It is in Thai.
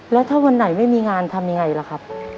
แล้วถ้าวันไหนไม่มีงานทำยังไงล่ะครับ